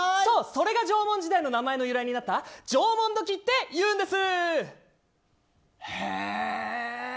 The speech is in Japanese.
それが縄文時代の名前の由来になった縄文土器って言うんです。